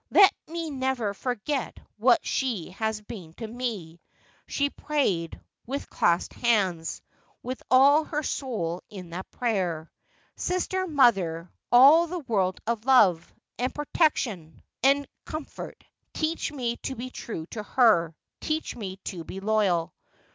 let me never forget what she has been to me,' she prayed, with clasped hands, with all her soul in that prayer —' sister, mother, all the world of love, and protection, and com fort — teach me to be true to her ; teach me to be loyal.'